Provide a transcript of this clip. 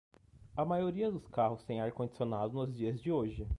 A maioria dos carros tem ar condicionado nos dias de hoje.